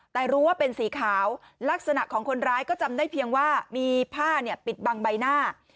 แต่รู้ว่าเป็นสีขาวลักษณะของคนร้ายก็จำได้เพียงว่ามีผ้าปิดบังใบหน้า